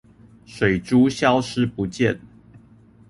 水珠消失不見